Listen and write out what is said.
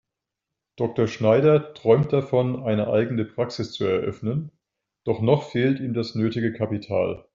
Dr. Schneider träumt davon, eine eigene Praxis zu eröffnen, doch noch fehlt ihm das nötige Kapital.